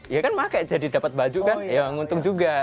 ya kan pakai jadi dapat baju kan ya nguntung juga